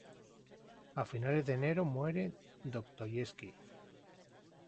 A finales de enero muere Dostoievski.